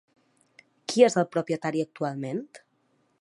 Qui és el propietari actualment?